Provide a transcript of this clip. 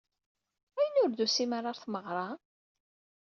Ayen ur d-tusim ara ɣer tmeɣra?